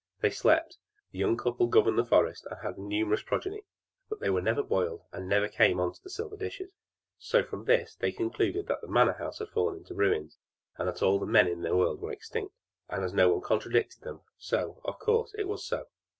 They slept; the young couple governed in the forest, and had a numerous progeny, but they were never boiled, and never came on the silver dishes; so from this they concluded that the manor house had fallen to ruins, and that all the men in the world were extinct; and as no one contradicted them, so, of course it was so.